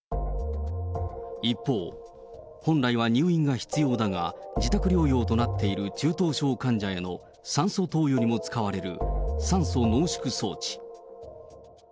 一方、本来は入院が必要だが、自宅療養となっている中等症患者への酸素投与にも使われる酸素濃縮装置。